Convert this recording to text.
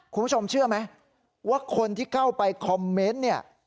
คุณผู้ชมเชื่อไหมว่าคนที่เข้าไปคอมเมนต์เนี่ย